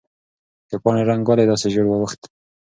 د پاڼې رنګ ولې داسې ژېړ واوښت؟